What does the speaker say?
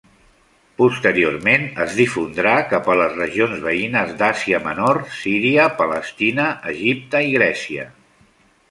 Posteriorment es difondrà cap a les regions veïnes d'Àsia Menor, Síria, Palestina, Egipte i Grècia.